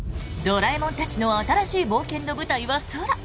「ドラえもん」たちの新しい冒険の舞台は空。